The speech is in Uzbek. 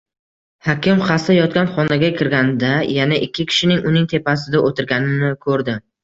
Hakim xasta yotgan xonaga kirganida, yana ikki kishining uning tepasida o`tirganini ko`rdi